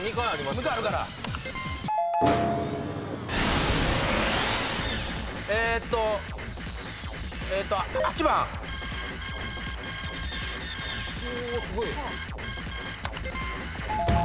すごい。